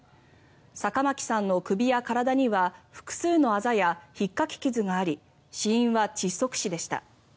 坂巻さんの首や体には複数のあざやひっかき傷があり死因は窒息死でした。